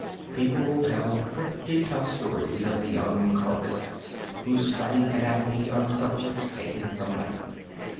People tell pretty tough stories of the young carvists who study anatomy on subjects taken from life.